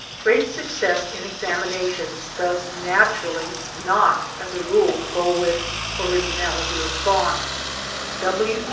Great success in examinations does naturally not as a rule go with originality of thought.